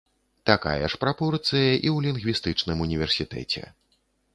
Такая ж прапорцыя і ў лінгвістычным універсітэце.